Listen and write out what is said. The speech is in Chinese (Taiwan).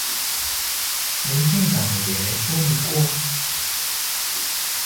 民進黨也沒說明過？